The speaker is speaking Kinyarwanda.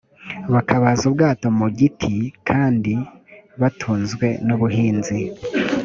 bakabaza ubwato mu giti kandi batunzwe n ubuhinzi